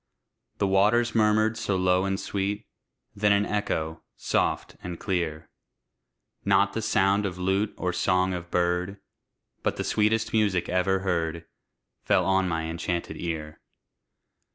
The waters murmured so low and sweet, Then an echo, soft and clear, Not the sound of lute or song of bird, But the sweetest music ever heard, Fell on my enchanted ear.